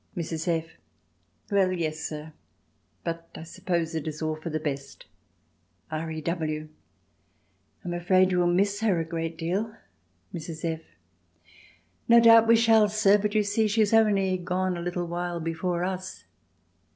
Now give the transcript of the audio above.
Mrs. F. "Well, yes sir. But I suppose it is all for the best." R. E. W. "I am afraid you will miss her a great deal." Mrs. F. "No doubt we shall, sir; but you see she is only gone a little while before us."